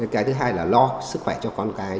cái thứ hai là lo sức khỏe cho con cái